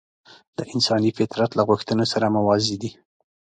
د انساني فطرت له غوښتنو سره موازي دي.